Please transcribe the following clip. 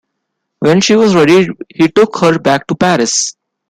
When she was ready he took her back to Paris.